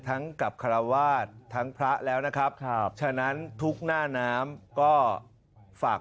กับคาราวาสทั้งพระแล้วนะครับฉะนั้นทุกหน้าน้ำก็ฝาก